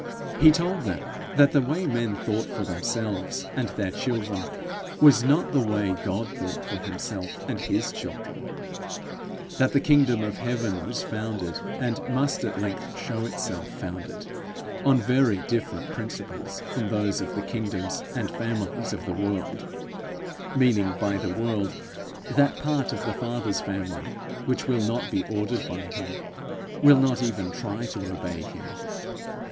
He told them that the way men thought for themselves and their children was not the way God thought for himself and his children; that the kingdom of heaven was founded, and must at length show itself founded on very different principles from those of the kingdoms and families of the world, meaning by the world that part of the Father's family which will not be ordered by him, will not even try to obey him.